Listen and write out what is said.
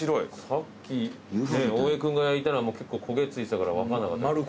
さっき大江君が焼いたのは結構焦げ付いてたから分かんなかった。